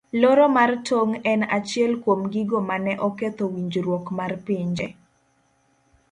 Loro mar tong' en achiel kuom gigo mane oketho winjruok mar pinje.